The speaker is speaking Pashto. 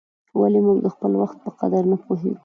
ولي موږ د خپل وخت په قدر نه پوهیږو؟